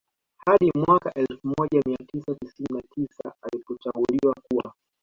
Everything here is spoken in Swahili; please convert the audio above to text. Hadi mwaka elfu moja mia tisa tisini na tisa alipochaguliwa kuwa